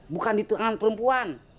bukan di tangan perempuan